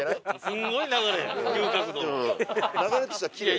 すごい流れ！